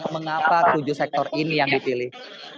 mengapa tujuh sektor ini yang dipilih